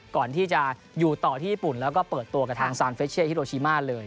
ก่อนที่จะอยู่ต่อที่ญี่ปุ่นแล้วก็เปิดตัวกับทางซานเฟชเช่ฮิโรชิมาเลย